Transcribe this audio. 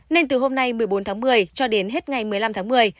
nên từ hôm nay một mươi bốn tháng một mươi cho đến hết ngày một mươi năm tháng một mươi